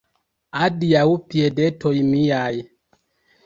Adiaŭ, piedetoj miaj!